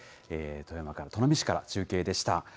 富山から、砺波市から中継でした。